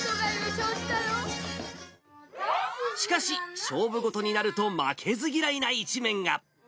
しかし、勝負事になると負けず嫌いな一面が。